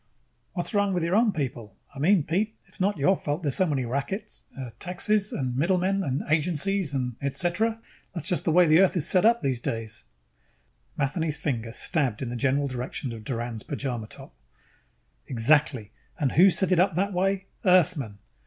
"What's wrong with your own people? I mean, Pete, it is not your fault there are so many rackets uh, taxes and middlemen and agencies and et cetera. That is just the way Earth is set up these days." Matheny's finger stabbed in the general direction of Doran's pajama top. "Exactly. And who set it up that way? Earthmen.